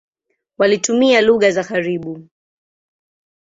Walitumia lugha za karibu.